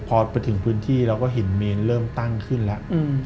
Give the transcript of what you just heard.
พอไปถึงพื้นที่เราก็เห็นเมนเริ่มตั้งขึ้นแล้ว